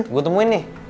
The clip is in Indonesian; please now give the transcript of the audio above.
gua temuin nih